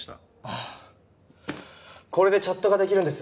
あこれでチャットができるんです。